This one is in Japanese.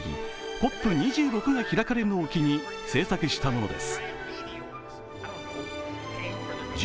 ＣＯＰ２６が開かれるのを機に制作したものです。